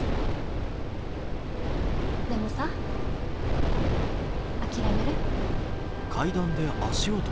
でもさ諦める。